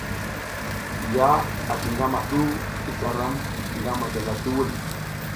Ya ati ngama du isa ram nga madala duwul.